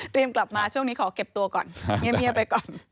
กลับมาช่วงนี้ขอเก็บตัวก่อนเงียบไปก่อน